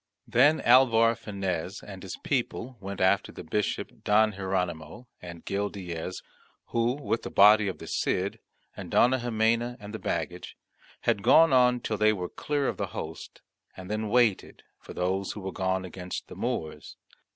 Then Alvar Fanez and his people went after the Bishop Don Hieronymo and Gil Diaz, who, with the body of the Cid, and Dona Ximena, and the baggage, had gone on till they were clear of the host, and then waited for those who were gone against the Moors.